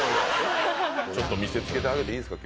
ちょっと見せつけてあげていいですか？